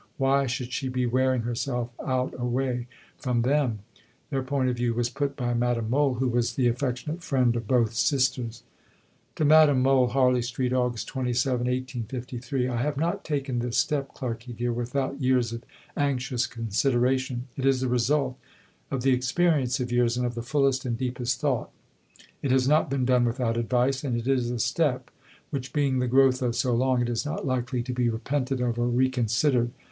Why should she be wearing herself out away from them? Their point of view was put by Madame Mohl, who was the affectionate friend of both sisters: (To Madame Mohl.) HARLEY STREET, August 27 .... I have not taken this step, Clarkey dear, without years of anxious consideration. It is the result of the experience of years and of the fullest and deepest thought; it has not been done without advice, and it is a step, which, being the growth of so long, is not likely to be repented of or reconsidered.